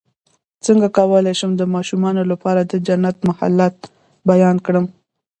څنګه کولی شم د ماشومانو لپاره د جنت محلات بیان کړم